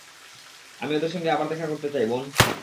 আমি ওদের সাথে আবার দেখা করতে চাই, বোন।